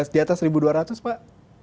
di atas seribu dua ratus pak